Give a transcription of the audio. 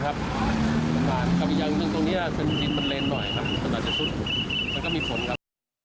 กับอีกอย่างถึงตรงเนี้ยจนอาจจะชุดมันก็มีผลครับ